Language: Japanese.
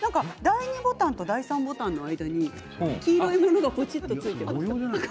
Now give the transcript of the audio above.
第２ボタンと第３ボタンの間に黄色いものがついています。